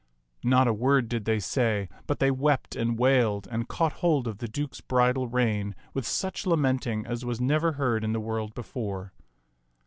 Not a word did they say, but they wept and wailed and caught hold of the Duke's bridle rein with such lamenting as was never heard in the world before.